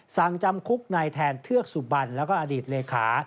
สั่งจำคุกนายแทนเทือกสุบันแล้วก็อดีตเลขา